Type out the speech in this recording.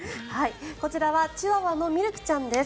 こちらはチワワのミルクちゃんです。